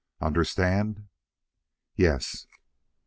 Understand?" "Yes."